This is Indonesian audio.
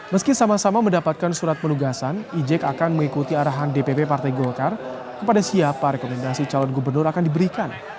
meski sama sama mendapatkan surat penugasan ijek akan mengikuti arahan dpp partai golkar kepada siapa rekomendasi calon gubernur akan diberikan